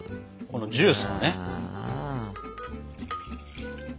このジュースもね。